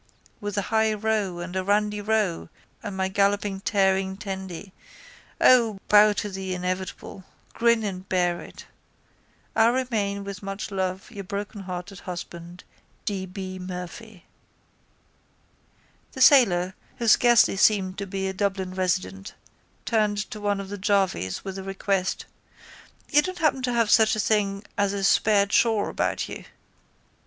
With a high ro! and a randy ro! and my galloping tearing tandy, O! Bow to the inevitable. Grin and bear it. I remain with much love your brokenhearted husband W. B. Murphy. The sailor, who scarcely seemed to be a Dublin resident, turned to one of the jarvies with the request: —You don't happen to have such a thing as a spare chaw about you?